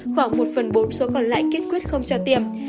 khoảng một phần bốn số còn lại kiên quyết không cho tiêm